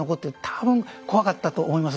多分怖かったと思います。